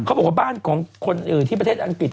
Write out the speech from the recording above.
บอกว่าบ้านของคนที่ประเทศอังกฤษ